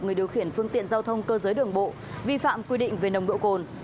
người điều khiển phương tiện giao thông cơ giới đường bộ vi phạm quy định về nồng độ cồn